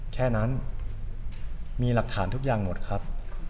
แค่นั้นมีหลักฐานทุกอย่างหมดครับ